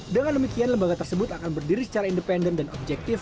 dengan demikian lembaga tersebut akan berdiri secara independen dan objektif